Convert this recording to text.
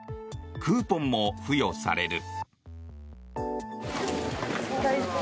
クーポンも付与される。